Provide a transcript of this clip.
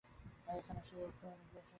এখনো সেখানে উষ্ণ নিশ্বাস সমীরিত।